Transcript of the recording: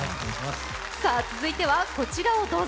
続いてはこちらをどうぞ。